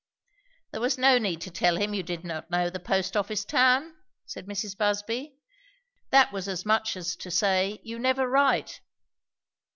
"There was no need to tell him you did not know the post office town," said Mrs. Busby. "That was as much as to say, you never write."